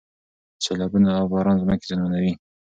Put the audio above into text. سیلابونه او باران ځمکې زیانمنوي.